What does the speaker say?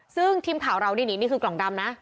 ซึ่งทีมข่าวเรานี่นี่คือกล่องดำนะ